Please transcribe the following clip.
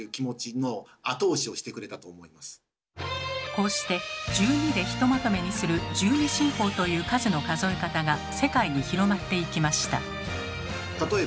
こうして１２でひとまとめにする「１２進法」という数の数え方が世界に広まっていきました。